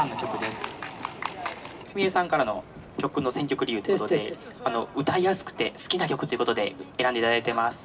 フミエさんからの曲の選曲理由ということで歌いやすくて好きな曲ということで選んで頂いてます。